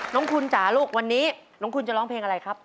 น้องคุณจ๋าลูกวันนี้น้องคุณจะร้องเพลงอะไรครับ